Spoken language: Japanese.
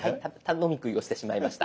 飲み食いをしてしまいました。